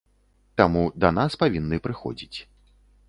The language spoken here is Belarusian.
Таму, да нас павінны прыходзіць.